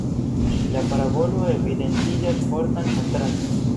La parabolo evidentigas fortan kontraston.